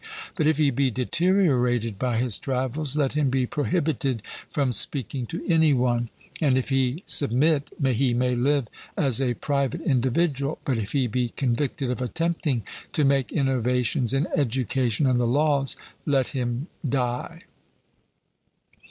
But if he be deteriorated by his travels, let him be prohibited from speaking to any one; and if he submit, he may live as a private individual: but if he be convicted of attempting to make innovations in education and the laws, let him die.